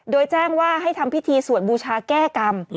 โดยแจ้งว่าให้ทำพิธีสวดบูชาแก้กรรม